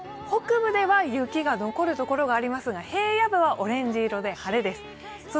北部では雪が残る所がありますが平野部はオレンジ色で晴れです。